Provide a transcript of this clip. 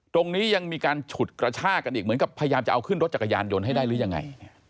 ตรงนี้ยังมีการฉุดกระชากันอีกเหมือนกับพยายามจะเอาขึ้นรถจักรยานยนต์ให้ได้หรือยังไง